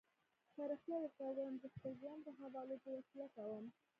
که رښتیا درته ووایم، زه خپل ژوند د حوالو په وسیله کوم.